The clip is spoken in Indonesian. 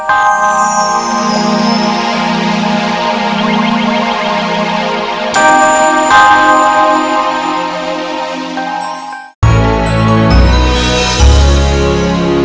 apa yang mau